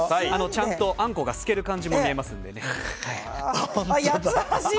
ちゃんとあんこが透ける感じも見えますのでね。